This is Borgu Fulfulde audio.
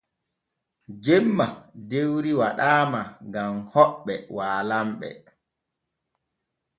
Jemma dewri waɗaama gam hoɓɓe waalanɓe.